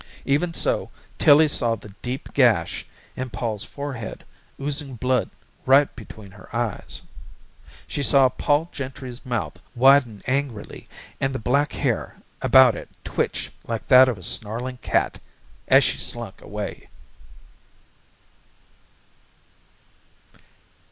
Even so Tillie saw the deep gash in Pol's forehead oozing blood right between her eyes. She saw Pol Gentry's mouth widen angrily and the black hair about it twitch like that of a snarling cat, as she slunk away.